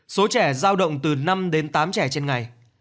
số trẻ giao động từ năm đến tám trẻ trên ngày